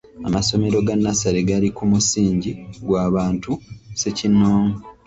Amasomero ga nnassale gali ku musingi gwa bantu ssekinnoomu.